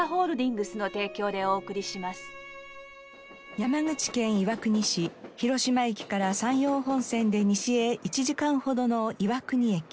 山口県岩国市広島駅から山陽本線で西へ１時間ほどの岩国駅。